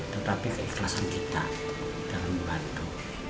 tetapi keikhlasan kita dalam membantu